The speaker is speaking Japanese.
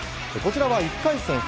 こちらは１回戦